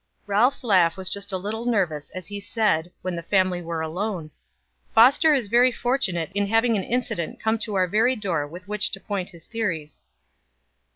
Ralph's laugh was just a little nervous as he said, when the family were alone: "Foster is very fortunate in having an incident come to our very door with which to point his theories."